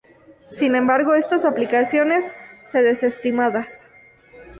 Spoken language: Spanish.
Sin embargo, estas aplicaciones se desestimadas.